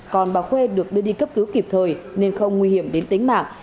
còn bà khuê được đưa đi cấp cứu kịp thời nên không nguy hiểm đến tính mạng